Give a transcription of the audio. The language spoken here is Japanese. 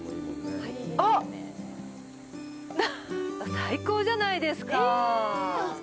最高じゃないですか。